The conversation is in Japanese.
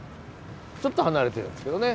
ちょっと離れてるんですけどね。